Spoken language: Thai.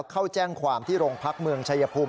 เข้าแจ้งความที่โรงพักเมืองชายภูมิ